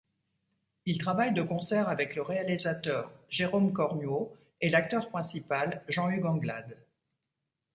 Il travaille de concert avec le réalisateur Jérôme Cornuau et l'acteur principal Jean-Hugues Anglade.